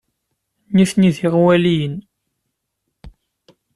Nitni d iɣwaliyen.